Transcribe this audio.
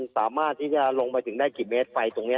สามารถที่จะลงไปถึงได้กี่เมตรไฟตรงนี้